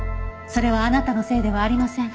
それはあなたのせいではありません。